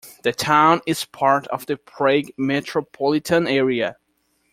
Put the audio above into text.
The town is part of the Prague metropolitan area.